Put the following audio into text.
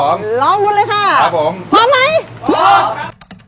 ร้องหมดเลยค่ะครับผมพร้อมไหมพร้อม